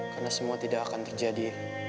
karena semua tidak akan terjadi